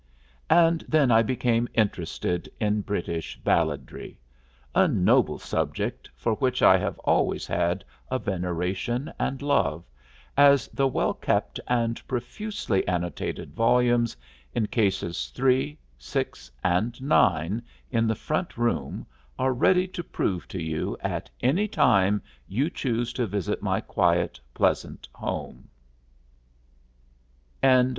And then I became interested in British balladry a noble subject, for which I have always had a veneration and love, as the well kept and profusely annotated volumes in cases 3, 6, and 9 in the front room are ready to prove to you at any time you choose to visit my quiet, pleasant home.